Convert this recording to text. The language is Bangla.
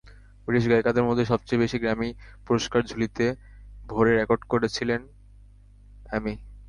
ব্রিটিশ গায়িকাদের মধ্যে সবচেয়ে বেশি গ্র্যামি পুরস্কার ঝুলিতে ভরে রেকর্ড গড়েছিলেন অ্যামি।